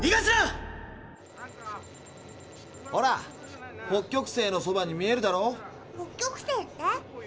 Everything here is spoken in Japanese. ほら北極星のそばに見えるだろ。